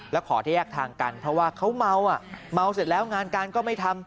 แล้วขอที่แยกทางกันเพราะว่าเขาเมาอ่ะเมาเสร็จแล้วงานการก็ไม่ทำ